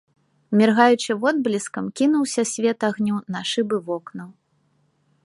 Міргаючы водбліскам, кінуўся свет агню на шыбы вокнаў.